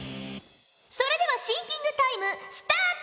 それではシンキングタイムスタート！